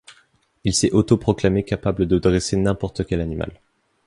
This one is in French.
Il s'est auto-proclamé capable de dresser n'importe quel animal.